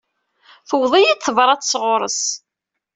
Tewweḍ-iyi-d tebrat sɣur-s.